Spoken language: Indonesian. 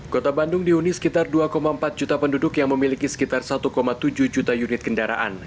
kota bandung dihuni sekitar dua empat juta penduduk yang memiliki sekitar satu tujuh juta unit kendaraan